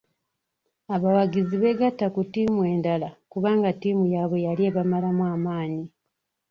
Abawagizi beegatta ku ttiimu endala kubanga ttiimu yaabwe yali ebamalamu maanyi.